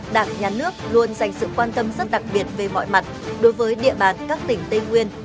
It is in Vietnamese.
đảng nhà nước luôn dành sự quan tâm rất đặc biệt về mọi mặt đối với địa bàn các tỉnh tây nguyên